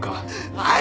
はい！